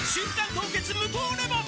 凍結無糖レモン」